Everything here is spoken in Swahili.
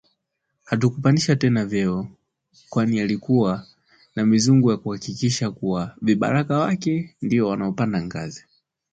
Hatukupandishwa vyeo tena kwani alikuwa na mizungu ya kuhakikisha kuwa vibaraka wake ndio wanaopanda ngazi